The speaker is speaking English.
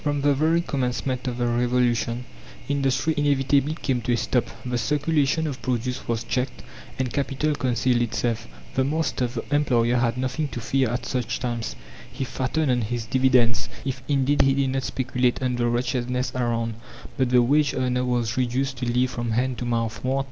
From the very Commencement of the Revolution industry inevitably came to a stop the circulation of produce was checked, and capital concealed itself. The master the employer had nothing to fear at such times, he fattened on his dividends, if indeed he did not speculate on the wretchedness around; but the wage earner was reduced to live from hand to mouth.